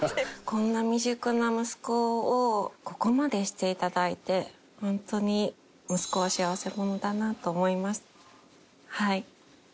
こんな未熟な息子をここまでして頂いてホントに息子は幸せ者だなと思います。